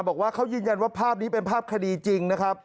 บอกว่าเขายืนยันว่าภาพนี้เป็นภาพคดีจริงนะครับ